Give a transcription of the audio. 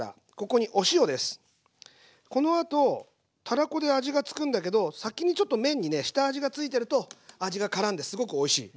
このあとたらこで味がつくんだけど先にちょっと麺にね下味がついてると味がからんですごくおいしい。